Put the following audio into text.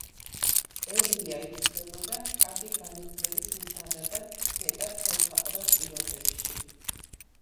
ევლია იზრდებოდა კარგი განათლების მისაღებად მეტად ხელსაყრელ პირობებში.